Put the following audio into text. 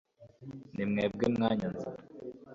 si mwebwe mwanyanze